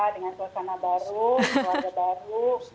dengan suasana baru keluarga baru